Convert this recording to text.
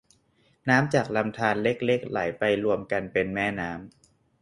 น้ำจากลำธารเล็กเล็กไหลไปรวมกันเป็นแม่น้ำ